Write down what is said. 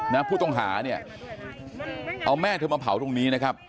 นะผู้ต้องหาเนี่ยเอาแม่เธอมาเผาตรงนี้นะครับ